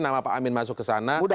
nama pak amin masuk ke sana